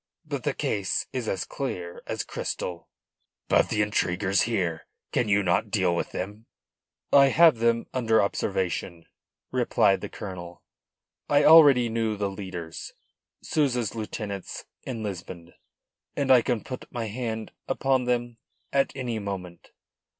But the case is as clear as crystal." "But the intriguers here? Can you not deal with them?" "I have them under observation," replied the colonel. "I already knew the leaders, Souza's lieutenants in Lisbon, and I can put my hand upon them at any moment.